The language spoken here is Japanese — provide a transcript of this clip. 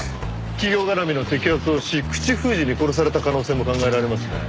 企業絡みの摘発をし口封じに殺された可能性も考えられますね。